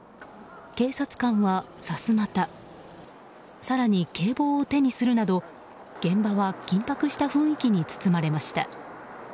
警察官は、さすまた更に警棒を手にするなど現場は緊迫した雰囲気に包まれました。